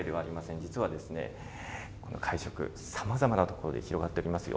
実はこの会食、さまざまなところで広がっておりますよ。